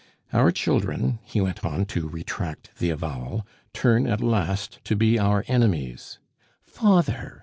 "Our children," he went on, to retract the avowal, "turn at last to be our enemies " "Father!"